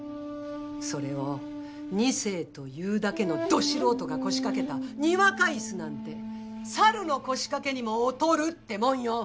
それを２世というだけのど素人が腰掛けたにわか椅子なんてサルノコシカケにも劣るってもんよ。